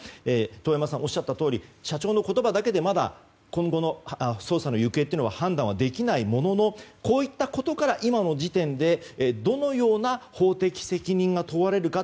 遠山さんがおっしゃったとおり社長の言葉だけで今後の捜査の行方は判断はできないもののこうしたことから今の時点でどのような法的責任が問われるか。